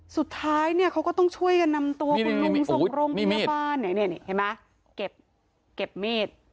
สุดท้ายเนี้ยเขาก็ต้องช่วยกันนำตัวคุณลุงสกรมนี่นี่นี่นี่นี่เห็นไหมเก็บเก็บมีด